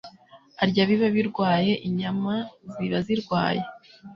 arya biba birwaye. Inyama ziba zirwaye.